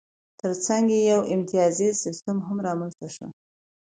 ترڅنګ یې یو امتیازي سیستم هم رامنځته شو.